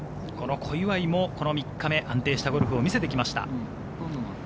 小祝も４日目、安定したゴルフを見せてきました。